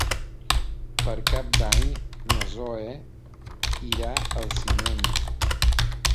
Per Cap d'Any na Zoè irà al cinema.